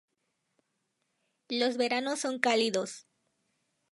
Los veranos son cálidos.